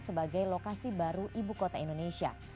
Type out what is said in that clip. sebagai lokasi baru ibu kota indonesia